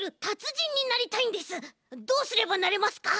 どうすればなれますか？